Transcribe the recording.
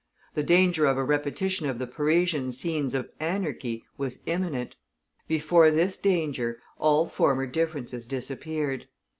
The danger of a repetition of the Parisian scenes of "anarchy" was imminent. Before this danger all former differences disappeared.